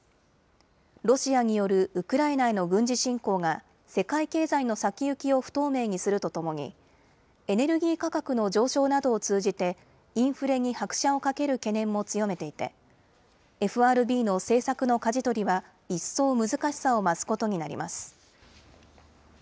ロシアによるウクライナへの軍事侵攻が世界経済の先行きを不透明にするとともにエネルギー価格の上昇などを通じてインフレに拍車をかける懸念も強めていてＦＲＢの政策のかじ取りは一層難しさを増すことになります。